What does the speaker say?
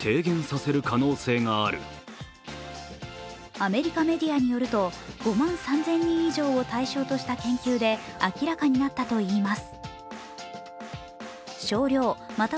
アメリカメディアによると、５万３０００人以上を対象にした研究で明らかになったといいます。